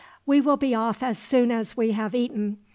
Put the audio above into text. "We will be off as soon as we have eaten.